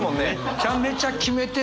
めちゃめちゃ決めてんのに。